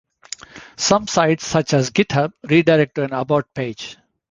Some sites such as GitHub redirect to an about page.